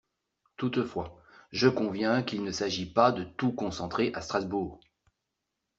Toutefois, je conviens qu’il ne s’agit pas de tout concentrer à Strasbourg.